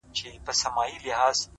• هغه مي سايلينټ سوي زړه ته؛